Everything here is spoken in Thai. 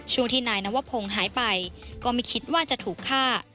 ช่วงที่นายนวพงศ์หายไปก็ไม่คิดว่าจะถูกฆ่า